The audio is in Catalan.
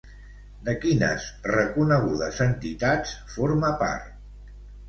De quines reconegudes entitats forma part?